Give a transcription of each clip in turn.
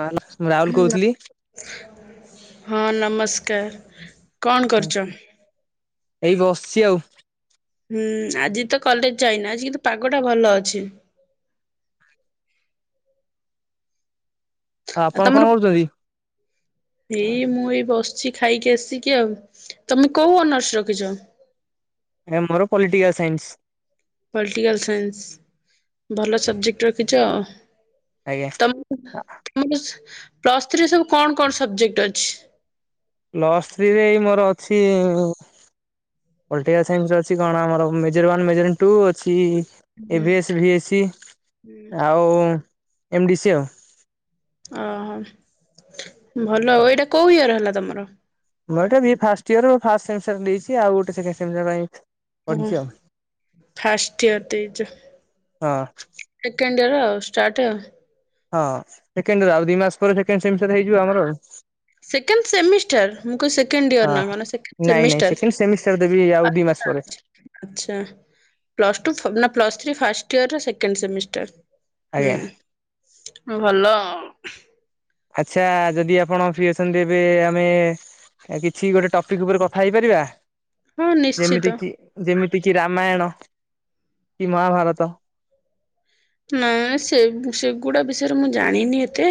Hello ମୁଁ ଲାହୁଲ କହୁଥିଲି। ହଁ ନମସ୍କାର କଣ କରୁଛ? ଏଇ ବସଚି ଆଉ। ହୁଁ ଆଜି ତ କଲେଜ ଯାଇନା ଆଜି କିନ୍ତୁ ପାଗଟା ଭଲ ଅଛି। ଆ ଆପଣ କଣ ଅରୁଚନ୍ତି? ଲି ମୁଁ ଏଇ ବସିଛି ଖାଇକି ଆସିକି ଆଉ ତମେ କୋଉ ଅନର୍ସ ରଖିଛ? ନାଁଇ ମୋର ପଲିଟିକା ସାଇନ୍ସ। ପଲଟିକାଲ ସାଇନ୍ସ ଭଲ ସବଜେକ୍ଟ ରଖିଛ। ଆଜ୍ଞା। ତ [unintelligible] ପ୍ଲସ୍ ଥ୍ରୀରେ ସବୁ କଣ କଣ ସବଜେକ୍ଟ ଅଛି? ପ୍ଲସ୍ ଥ୍ରୀରେ ଏଇ ମୋର ଅଛି ପଲିଟିକା ସାଇନ୍ସ ଅଛି କଣ ଆମର ମେଜର ୱାନ ମେଜର ଟୁ ଅଛି A V S V S E ଆଉ ଏମ ଡି ସି ଆଉ। ଓହୋ ଭଲ ଆଉ ଏଇଟା କୋଉ ଇୟର ହେଲା ତମର? ମୁଁ ଏଟା the first year first semester ଦେଇଛି ଆଉ ଗୋଟେ ସେକେଣ୍ଡ ସେମିଷ୍ଟାର ପାଇଁ ହୁଁ ପଢିଛି ଆଉ ଫାଷ୍ଟ ଇୟର ଦେଇଛ। ହଁ ସେକେଣ୍ଡ ୟର ଷ୍ଟାର୍ଟ୍। ହଁ ସେକେଣ୍ଡ ୟୀର ଆଉ ଦି ମାସ ପରେ ସେକେଣ୍ଡ ସେମିଷ୍ଟର ହେଇଯିବ ଆମର ଆଉ। ସେକେଣ୍ଡ ସେମିଷ୍ଟାର ମୁଁ କହିଲି ସେକେଣ୍ଡ ଇୟର ହ ନା କଣ ସେକେଣ୍ଡ ନାଇଁ ନାଇଁ ସେମିଷ୍ଟାର। ସେକେଣ୍ଡ ସେମିଷ୍ଟାର ଦେବି ଆଉ ଦି ମାସ ପରେ ଆଯା ପ୍ଲସ୍ ଟୁ ସଦଲା plus three first year second semester. ହୁଁ ଆଜ୍ଞା। ଆଉ ଭଲ। ଆଚ୍ଛା ଯଦି ଆପଣ ଫ୍ରି ଅଛନ୍ତି ଏବେ ଆମେ ଆ କିଛି ଗୋଟେ ଟପିକ୍ ଉପରେ କଥା ହେଇପାରିବା? ହଁ ନିଶ୍ଚିତ ଯେମିତି କି ଯେମିତି କିି ରାମାୟଣ କି ମହାଭାରତ? ନା ସେବୁ ସେଗୁଡା ବିଷୟରେ ମୁଁ ଜାଣିନି ଏତେ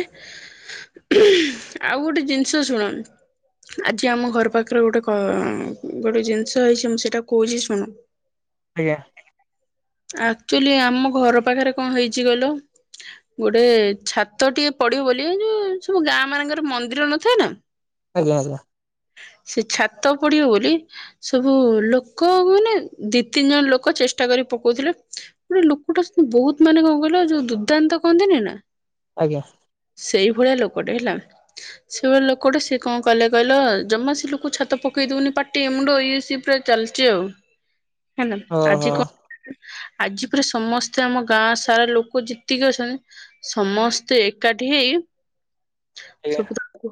ଆଉ ଗୋଟେ ଜିନିଷ ଶୁଣ ଆଜି ଆମ ଘର ପାଖରେ ଗୋଟେ କ ଗୋଟେ ଜିନିଷ ହେଇଛି ମୁଁ ସେଟା କହୁଛି ଶୁଣ। [inaudible] ଆଜ୍ଞା। ଆକ୍ଚୁଲି ଆମ ଘର ପାଖରେ କଣ ହେଇଚି କହିଲ? ଗୋଟେ ଛାତ ଟିଏ ପଡିବ ବୋଲି ଏଯୋଉ ସବୁ ଗାଁ ମାନଙ୍କର ମନ୍ଦିର ନଥାଏ ନା? [inaudible] ଆଜ୍ଞା ଆଜ୍ଞା। ସେ ଛାତ ପଡ଼ିବ ବୋଲି ସବୁ ଲୋକ ମାନେ ଦି ତିନି ଜଣ ଲୋକ ଚେଷ୍ଟା କରି ପକଉଥିଲେ ଗୋଟେ ଲୋକଟା ବହୁତ ମାନେ କଣ କହିଲ ଯୋଉ ଦୁର୍ଦ୍ଦାନ୍ତ କହନ୍ତିନି ନା? ଆଜ୍ଞା। ସେଇ ଭଳିଆ ଲୋକଟେ ହେଲା। ସେଭଲି ଲୋକଟେ ସିଏ କଣ କଲେ କହିଲ ଜମା ସେ ଲୋକ ଛାତ ପକେଇ ଦଉନି ପାଟି ମୁଣ୍ଡ ୟେ ସିଏ ପୁରା- ଚାଲଚି ଆଉ ହେଲା ଆଜି ଓହୋ କ ଆଜି ପୁରା ସମସ୍ତେ ଆମ ଗାଁ ସାରା ଲୋକ ଯେତିକି ଅଛନ୍ତି ସମସ୍ତେ ଏକାଠି ହେଇ ଆଜ୍ଞା ସବୁତ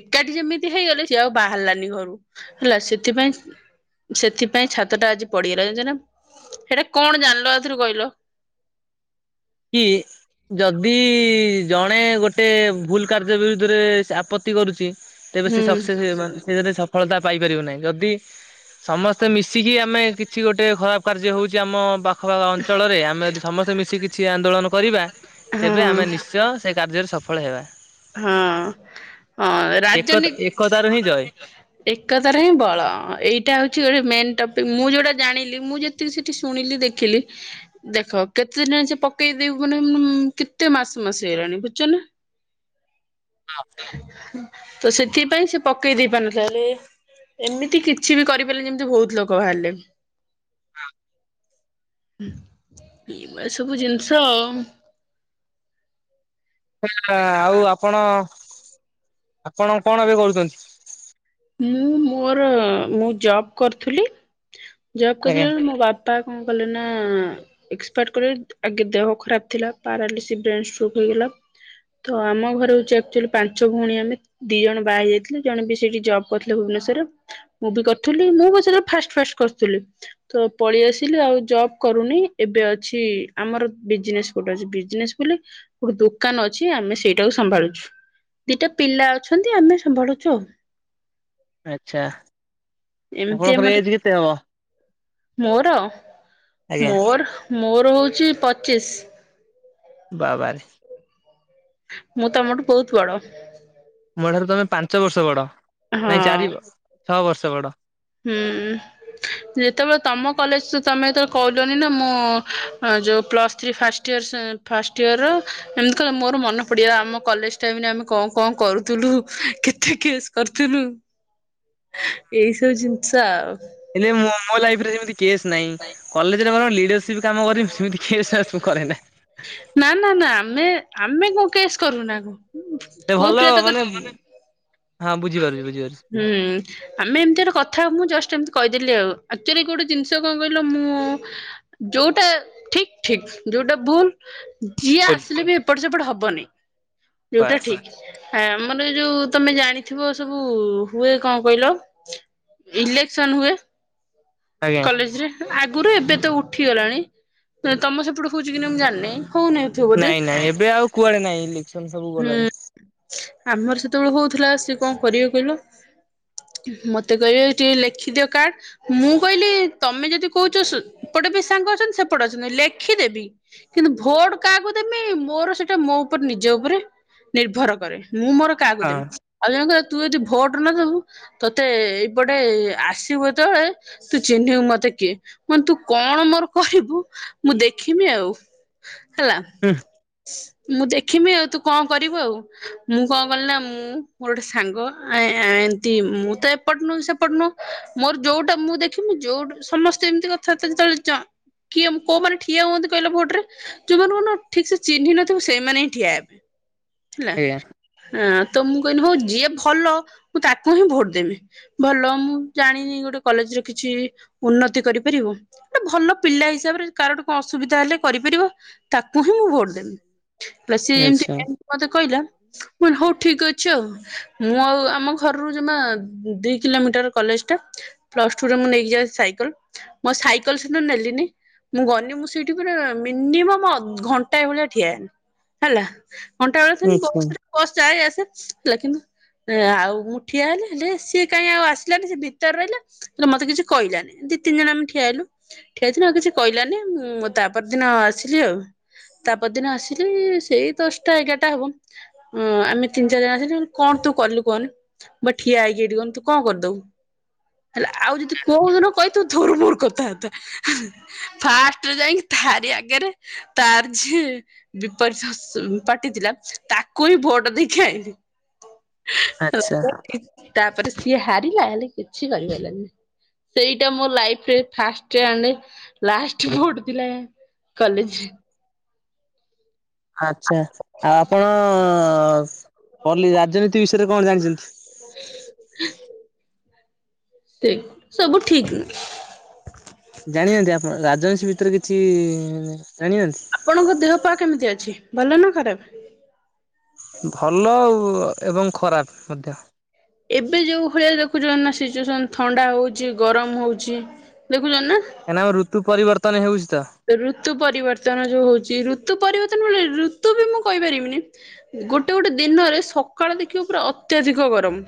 ଏକାଠି ଯେମିତି ହେଇଗଲେ ସିଏ ଆଉ ବାହାରିଲାନି ଘରୁ ହେଲା ସେଥିପାଇଁ ସେଥିପାଇଁ ଛାତ ଟା ଆଜି ପଡିଗଲା ଜାଣିଛ ନା ହେଟା କଣ ଜାଣିଲ ଏଥିରୁ କହିଲ? କି ଯଦି ଜଣେ ଗୋଟେ ଭୁଲ କାର୍ଯ୍ୟ ବିରୁଦ୍ଧରେ ଆପତ୍ତି କରୁଛି ତେବେ ସେ ହୁଁ ଶକ୍ସେସ [unintelligible] ସେ ସଫଳତା ପାଇପାରିବ ନାହିଁ ଯଦି ସମସ୍ତେ ମିଶିକି ଆମେ କିଛି ଗୋଟେ ଖରାପ କାର୍ଯ୍ୟ ହଉ ଚି ଆମ ପାଖପାଖ ଅଞ୍ଚଳରେ ଆମେ ଯଦି ସମସ୍ତେ ମିଶିକି। କିଛି ଆନ୍ଦୋଳନ କରିବା ହଁ ତେବେ ଆମେ ନିଶ୍ଚୟ ସେ କାର୍ଯ୍ୟରେ ସଫଳ ହେବା। ହଁ ହଁ ଏକ ରାଜନୀ। ଏକତାରୁ ହିଁ ଜୟ। ଏକତାରେ ହିଁ ବଳ ଅ ଏଇଟା ହଉଛି ଗୋଟେ ମେନ ଟପିକ୍ ମୁଁ ଯୋଉଟା ଜାଣିଲି ମୁଁ ଯେ ଯେତିକି ସେଠି ଶୁଣିଲି ଦେଖିଲି। ଦେଖ କେତେ ଦିନ ସେ ପକେଇଦେବୁ ମାନେ ଉଁ ଉଁ କେତେ ମାସ ମାସ ହେଲାଣି ବୁଝୁଛ ନା। ତ ସେଥିପାଇଁ ସେ ପକେଇ ଦେଇ ପାରୁନଥିଲା ହେଲେ। ଏମିତି କିଛି ବି କରିପାରିଲେ ଯେମିତି ବହୁତ ଲୋକ ବାହାରିଲେ। ହଁ ଇ ଭଳିଆ ସବୁ ଜିନିଷ ଆଉ। [unintelligible] ଆଉ ଆପଣ ଆପଣ କଣ ଏବେ କରୁଛନ୍ତି? ମୁଁ ମୋର ମୁଁ ଜବ କରୁଥୁଲି ଜବ ଆଜ୍ଞା। କରୁଥିଲି [unintelligible] ମୋ ବା ପା କଣ କଲେ ନା। ଏକ୍ସପାର୍ଟ କରିଗ ଆଗେ ଦେହ ଖରାପ ଥିଲା ପାରାଲିସି, ବ୍ରେନଷ୍ଟ୍ରୋକ ହେଇଗଲା। ତ ଆମ ଘରେ ହଉଛି ଆକ୍ଚୁଆଲି ପାଞ୍ଚ ଭଉଣୀ ଆମେ ଦି ଜଣ ବାହା ହେଇ ଯାଇଥିଲେ ଜଣେ ବି ସେଇଠି ଜବ। କରୁଥିଲେ ଭୁବନେଶ୍ଵରରେ ମୁଁ ବି କରୁଥିଲି ମୁଁ ବି ସେତେବେଳେ ଫାର୍ଷ୍ଟ ଫାର୍ଷ୍ଟ କରୁଥିଲି। ତ ପଳେଇ ଆସିଲି ଆଉ ଜବ କରୁନି ଏବେ ଅଛି ଆମର ବିଜନେସ। ଗୋଟେ ଅଛି ବିଜନେସ ବୋଲି ଗୋଟେ ଦୋକାନ ଅଛି ଆମେ ସେଇଟାକୁ ସମ୍ଭାଳୁଛୁ। ଦିଟା ପିଲା ଅଛନ୍ତି ଆମେ ସମ୍ଭାଳୁଛୁ ଆଉ। ଆଚ୍ଛା। ଏମିତି ଆପଣଙ୍କର ଆମର ଏଜ୍ କେତେ ହବ? ମୋର ଆଜ୍ଞା ମୋର। ମୋର ହଉଛି ପଚିଶ। ବାବା ରେ। ମୁଁ ତମଠୁ ବହୁତ ବଡ। ମୋ ଠାରୁ ତମେ ପାଞ୍ଚ ବର୍ଷ ବଡ ନାଇଁ ହଁ ଚାରି, ଛଅ ବର୍ଷ ବଡ। ହୁଁ। ଯେତେବେଳେ ତମ କଲେଜ ତମେ ଯେତେବେଳେ କହିଲନି ନା ଅଁ ମୁଁ ଯୋଉ ପ୍ଲସ୍ ଥ୍ରୀ ଫାର୍ଷ୍ଟ ଇୟର ସ ଫାର୍ଷ୍ଟ ଇୟର ଏମିତି କହିଲ ମୋର ମନେ ପଡ଼ିଗଲା ଆମ କଲେଜ ଟାଇମରେ ଆମେ କଣ କଣ କରୁଥୁଲୁ କେ କେସ କରିଥିଲୁ ଏଇ ସବୁ ଜିନିଷ ଆଉ। ହେଲେ ମୋ ମୋ ଲାଇଫ ରେ ସେମିତି। କେସ ନାହିଁ କଲେଜରେ ବରଂ ଲିଡରସିପ୍ କାମ କରିମ ସେମିତି କେସ୍ ବାସ ମୁଁ କରେନା। ନା ନା ନା ଆମେ ଆମେ କଣ କେସ କରୁ ନା କ। ସେ ଭଲ ମାନେ ଉଁ ହଁ ବୁଝିପାରୁଛି ବୁଝିପାରୁଛି। ହୁଁ। ଆମେ ଏମିତି ଗୋଟେ କଥା ମୁଁ ଜଷ୍ଟ ଏମିତି କହିଦେଲି ଆଉ ଆକ୍ଚୁଆଲି ଗୋଟେ ଜିନିଷ କଣ କହିଲ ମୁଁ। ଯୋଉଟା ଠିକ ଠିକ ଯୋଉଟା ଭୁଲ ଜି କୁଲ। ଏବେ ବି ଏପଟ ସେପଟ ହବନି ଯୋଉଟା ବାସ୍। ଠିକ। ଆମର ଯୋଉ ତମେ ଜାଣିଥିବ ସବୁ। ଉ ହୁଏ କଣ କହିଲ ଇଲେକ୍ସନ ହୁଏ ଆଜ୍ଞା କଲେଜରେ। ଆଗରୁ ଏବେ ତ ଉଠିଗଲାଣି ଅ ତମ ସେପଟୁ ହଉଛି କି ନାଇ ମୁଁ ଜାଣିନି ହଉନାହିଁ। ନାଇଁ ନାଇଁ ଏବେ ଆଉ କୁଆଡେ ନାଇଁ ଇଲେକ୍ସନ ସବୁ ହୁଁ ଗଲାଣି। ଆମର ସେତେବେଳେ ହଉଥିଲା ସିଏ କଣ କରିବେ କହିଲ? ମତେ କହିବେ ଏଇ ଟିକେ ଲେଖିଦିଅ କାର୍ଡ। ମୁଁ କହିଲି ତମେ ଯଦି କହୁଛ ସ ଏପଟେ ବି ସାଙ୍ଗ ଅଛନ୍ତି ସେପଟେ ଅଛନ୍ତି ଲେଖିଦେବି। କିନ୍ତୁ ଭୋଟ କାହାକୁ ଦେମି ମୋର ସେଇଟା ମୋ ଉପରେ ନିଜ ଉପରେ। ନିର୍ଭର କରେ ମୁଁ ମୋର କାହାକୁ ହଁ ଦେମି ଆଉ ଜଣେ କହିବ ତୁ ଯଦି ଭୋଟ ନ ଦବୁ। ତତେ ଏଇପଟେ ଆସିବୁ ଯେତେବେଳେ। ତୁ ଚିହ୍ନିବୁ ମତେ କିଏ ମୁଁ କହିନି ତୁ କଣ ମୋର କରିବୁ ମୁଁ ଦେଖିମି ଆଉ। ହେଲା ହୁଁ ମୁଁ ଦେଖିମି ଆଉ ତୁ କଣ କରିବୁ ଆଉ। ମୁଁ କଣ କଲି ନା ମୁଁ ମୋର ଗୋଟେ ସାଙ୍ଗ ଏମତି ମୁଁ ତ ଏପଟ ନୁ ସେପଟ ନୁହଁ। ମୋର ଯୋଉଟା ମୁଁ ଦେଖିମି। ଯୋଉଠୁ ସମସ୍ତେ ଏମିତି କଥାବାର୍ତ୍ତା ଚ କିଏ କୋମାନେ ଠିଆ ହୁଅନ୍ତି କହିଲେ ଭୋଟ ରେ? ଯୋଉମାନ କ ଠିକ୍‌ ସେ ଚିହ୍ନ ନଥିବ ସେଇମାନେ ହିଁ ଠିଆ ହେବେ। ହେଲା ଆଜ୍ଞା ତ ମୁଁ କହିଲି ହୋଉ ଯିଏ ଭଲ ମୁଁ ତାକୁ ହିଁ ଭୋଟ ଦେମି। ଭଲ ମୁଁ ଜାଣିନି ଗୋଟେ କଲେଜରେ କିଛି ଉନ୍ନତି କରିପାରିବ। ଗୋଟେ ଭଲ ପିଲା ହିସାବରେ କାହାର ଗୋଟେ ଅସୁବିଧା ହେଲେ କରିପାରିବ। ତାକୁ ହିଁ ମୁଁ ଭୋଟ ଦେବି। ପ୍ଲ ସି ଯେମିତି ଆଚ୍ଛା ଏମିତି ମୋତେ କହିଲା। ମୁଁ ହୋଉ ଠିକ୍ ଅଛି ଆଉ। ମୁଁ ଆଉ ଆମ ଘରରୁ ଜମା ଦି କିଲୋମିଟର କଲେଜ ଟା। ପ୍ଲସ ଟୁରେ ମୁଁ ନେଇକି ଯାଏ ସାଇକେଲ। ମୋ ସାଇକେଲ ସେଦିନ ନେଲିନି। ମୁଁ ଗଲିି ମୁଁ ସେଇଠି ପୁରା ମିନିମ୍ ଅ-ଘଣ୍ଟାଏ ଭଳିଆ ଠିଆ ହେଲି ହେଲା। ଘଣ୍ଟା ବେଳେ ଆଚ୍ଛା। ବ-ବସ୍ ଯାଏ ଆସେ। ହେଲା କିନ୍ତୁ ଆଉ ମୁଁ ଠିଆ ହେଲେ ହେଲେ ସିଏ କାଇଁ ଆଉ ଆସିଲାନି ସେ ଭିତରେ ରଇଲା। ହେଲେ ମତେ କିଛି କଇଲାନି ଦି ତିନି ଜଣ ଆମେ ଠିଆ ହେଲୁ। ଠିଆ ହୋଇଥିଲୁ ଆଉ କିଛି କହିଲାନି ମୁଁ ତାପଦିନ ଆସିଲି ଆଉ। ତାପଦିନ ଆସିଲି ସେଇ ଦଶଟା ଏଗାରଟା ହବ। ଉଁ ଆମେ ତିନି ଚାରି ଜଣ ଆସିଲୁ କଣ ତୁ କଲୁ କହନି? ବା ଠିଆ ହେଇକି ଏଠି କନ୍ତୁ ତୁ କଣ କରିଦବୁ ହେଲେ ଆଉ ଯଦି କୋଉଦିନ କଇ ତୁ ଧର୍ମୁର କଥା ବାର୍ତ୍ତା ଫାଷ୍ଟରେ ଯାଇକି ଥାରି ଆଗରେ ତରେ ଝେ ବିପର ଅସ ପାଟି ଥିଲା ତାକୁ ହିଁ ଭୋଟ ଦେଇକି ଆଇଲି। ଆଚ୍ଛା। ତାପରେ ସିଏ ହାରିଲା ହେଲେ କିଛି କରିପାଇଲାନି। ସେଇଟା ମୋ ଲାଇଫରେ ଫଷ୍ଟୋ ଆଣ୍ଡେ ଲାଷ୍ଟ ଭୋଟ ଥିଲା। କଲେଜ। ଆଚ୍ଛା ଆଉ ଆପଣ କଲି ରାଜନୀତି ବିଷୟରେ କଣ ଜାଣିଛନ୍ତି? [inaudible] କି ସବୁ ଠିକ୍। ଜାଣିଚନ୍ତି ଆପଣ ରାଜନୀତି ଭିତରେ କିଛି ଜାଣିଚନ୍ତି? ଆପଣଙ୍କ ଦେହ ପା କେମିତି ଅଛି ଭଲ ନା ଖରାପ? ଭଲ ଆଉ ଏବଂ ଖରାପ ମଧ୍ୟ। ଏବେ ଯେଉଁ ଭଳିଆ ଦେଖୁଛ ନା ସିଚୁଏସନ୍ ଥଣ୍ଡା ହେଉଛି ଗରମ ହେଉଛି। ଦେଖୁଛ ନା। କାହିଁକି ନା ଆମ ଋତୁ ପରିବର୍ତନଉଛି ତ। ଋତୁ ପରିବର୍ତ୍ତନ ଯୋଉ ହଉଛି ଋତୁ ପରିବର୍ତ୍ତନ ଋତୁ ବି ମୁଁ କହିପାରିବିନି। ଗୋଟେ ଗୋଟେ ଦିନରେ ସକାଳ ଦେଖିବା ପୁରା ଅତ୍ୟଧିକ ଗରମ।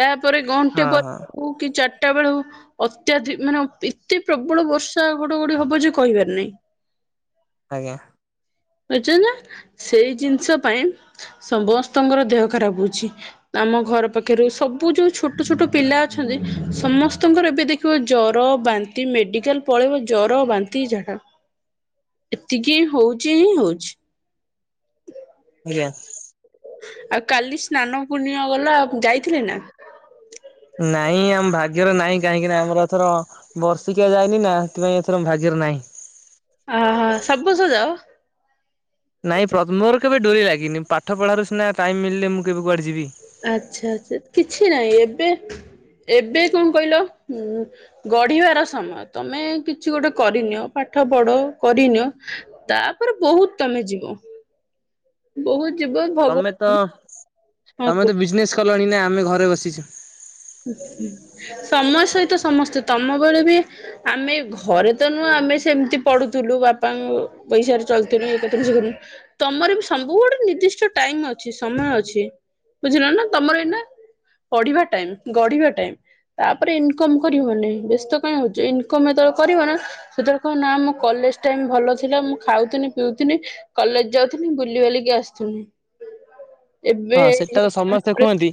ତାପରେ ଗଣ୍ଟେ ହଁ ହଁ ପରେ ହଉ କି ଚାରିଟା ବେଳେ ହଉ। ଅତ୍ୟାଧିକ ମାନେ ଏତେ ପ୍ରବଳ ବର୍ଷା ଘଡଘୋଡି ହବ ଯେ କହିିବାର ନାହିଁ। ଆଜ୍ଞା। ଚନା ସେଇ ଜିନିଷ ପାଇଁ ସମସ୍ତଙ୍କର ଦେହ ଖରାପ ହଉଛି। ଆମ ଘର ପାଖରୁ ସବୁ ଯୋଉ ଛୋଟ ଛୋଟ ପିଲା ଅଛନ୍ତି ସମସ୍ତଙ୍କର ଏବେ ଦେଖ ଜ୍ୱର ବାନ୍ତି ମେଡିକାଲ ପଳେଇବ ଜର ବାନ୍ ନ୍ତି ଯାହା ଏତିକି ହୋଉଛି ହିଁ ହୋଉଛି। ଆଜ୍ଞା। ଆଉ କାଲି ସ୍ନାନ ପୂର୍ଣିମା ଗଲା ଆଉ ଯାଇଥିଲେ ନା? ନାଇଁ ଆମ ଭାଗ୍ୟରେ ନାଇଁ କାହିଁକି ନା ଆମର ଏଥର ବର୍ଷିକିଆ ଯାଇନି ନା ସେଥିପାଇଁ ଏଥର ଭାଗ୍ୟରେ ନାଇଁ। ଆହା ସବୁ ବର୍ଷ ଯାଅ? ନାଇଁ ପ ମୋର କେବେ ଡୋରି ଲାଗିନି ପାଠ ପଢ଼ାରୁ ସିନା ଟାଇମ୍ ମିିଲେ ମୁଁ କେବେ କୁଆଡେ ଯିବି। ଆଛା ଆଚ୍ଛା କିଛି ନାହିଁ ଏବେ ଏବେ କଣ କଇଲ ଉଁ ଗଢିବାର ସମୟ ତମେ କିଛି ଗୋଟେ କରିନିଅ ପାଠ ପଢ କରିନିଅ। ତାପରେ ବହୁତ ତମେ ଯିବ। ବହୁତ ଯିବ ତମେ ଭଗବା ତ ତମେ ତ ବିଜନେସ କଲଣି ନା ଆମେ ଘରେ ବସିଚୁ। ସମୟ ସହିତ ସମସ୍ତେ ତମ ବଳେ ବି ଆମେ ଘରେ ତ ନୁହଁ ଆମେ ସେମିତି ପଢୁଥିଲୁ ବାପାଙ୍କ ପଇସାରେ ଚଳୁଥିଲୁ ଇଏ କରଥିଲୁ ସିଏ କରଥିଲୁ। ତମରି ବି ସବୁ ଗୋଟେ ନିର୍ଦ୍ଦିଷ୍ଟ ଟାଇମ ଅଛି ସମୟ ଅଛି। ବୁଝିଲ ନା ତମର ଏଇନା ପଢିବା ଟାଇମ ଗଢିବା ଟାଇମ। ତାପରେ ଇନକମ କରିବ ନାଇ ବ୍ୟସ୍ତ କାଇଁ ହଉଛ ଇନକମ ଯେତେବେଳେ କରିବ ନା ସେତେବେଳେ କହିଅ ନା ମୋ କଲେଜ ଟାଇମ ଭଲ ଥିଲା ମୁଁ ଖାଉଥିନି ପିଉଥିନି। କଲେଜ ଯାଉଥିଲି ବୁଲି ବାଲିକି ଆସୁଥିଲି ଏବେ ହଁ ସେଟା ତ ସମସ୍ତେ [unintelligible] କୁହନ୍ତି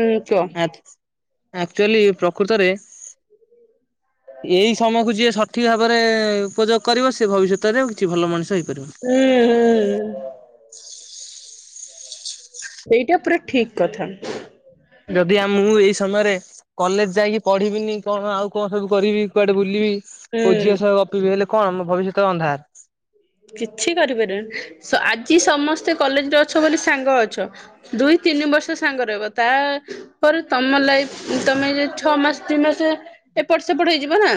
ହୁଁ କୁଅ। ଆକ୍ଚୁଆଲି ପ୍ରକୃତରେ [unintelligible] ଏଇ ସମୟକୁ ଯିଏ ସଠିକ ଭାବରେ ଉପଯୋଗ କରିବ ସେ ଭବିଷ୍ୟତରେ ଆଉ କିଛି ଭଲ ମଣିଷ ହେଇପାରିବ। ହୁଁ। ହୁଁ। ସେଇଟା ପୁରା ଠିକ୍ କଥା। ଯଦି ଆ ମୁଁ ଏଇ ସମୟରେ କଲେଜ ଯାଇକି ପଢିବିନି କଣ ଆଉ କଣ ସବୁ କରିବି କୁଆଡେ ବୁଲିବି। ହୁଁ କୋଉ ଝିଅ ସହ ଗପିବି ହେଲେ କଣ ଭବିଷ୍ୟତ ଅନ୍ଧାର। କିଛି କରିପାରିବନି ଆଜି ସମସ୍ତେ କଲେଜ ରେ ଅଛ ବୋଲି ସାଙ୍ଗ ଅଛ। ଦୁଇ ତିନି ବର୍ଷ ସାଙ୍ଗରହିବ ତା ପରେ ତମ ଲାଇଫ ତମେ ଛଅ ମାସ ତିନି ମାସ ଏପଟ ସେପଟ ହେଇଯିବ ନା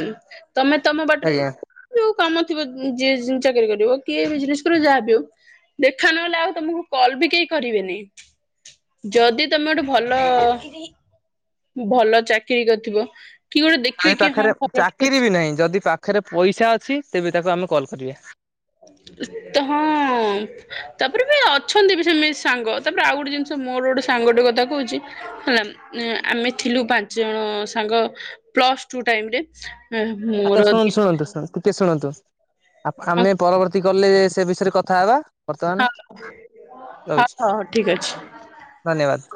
ତମେ ତମ ବାଟରେ ଆଜ୍ଞା ଯୋଉ କାମ ଥିବ ଯିଏ ଚାକିରି କରିବ କିଏ ବିଜନେସ କରିବ ଯାହା ବି ହଉ। ଦେଖା ନହେଲେ ଆଉ ତମକୁ କଲ୍ ବି କେହି କରିବେନି। ଯଦି ତମେ ଗୋଟେ ଭଲ ଭଲ ଚାକିରୀ କରିଥିବ। କି ଗୋଟେ ଦେଖିବେ [unintelligible] କି ହଁ ପାଖରେ ଭଲ ଠିକ ଅଛି ଚାକିରୀ ବି ନାହିଁ ଯଦି ପାଖରେ ପଇସା ଅଛି ତେବେ ତାକୁ ଆମେ କଲ୍ କରିବା। ତ ହଁ ତାପରେ ବି ଅଛନ୍ତି ବି ସେମିତି ସାଙ୍ଗ। ତାପରେ ଆଉ ଗୋଟେ ଜିନିଷ ମୋର ଗୋଟେ ସାଙ୍ଗ ଟେ କଥା କହୁଛି ହେଲା ଆମେ ଥିଲୁ ପାଞ୍ଚ ଜଣ ସାଙ୍ଗ ପ୍ଲସ ଟୁ ଟାଇମ୍ ରେ। ଆଚ୍ଛା ଶୁଣନ୍ତୁ ଶୁଣନ୍ତୁ ଶୁଣନ୍ତୁ ଟିକେ ଶୁଣନ୍ତୁ ଆମେ ପରବର୍ତ୍ତୀ କଲ୍ ରେ ସେ ବିଷୟରେ କଥା ହେବା। ବର୍ତ୍ତମାନ ହଁ ହଁ ରହୁଛି ହଁ ଠିକ ଅଛି। ଧନ୍ୟବାଦ୍।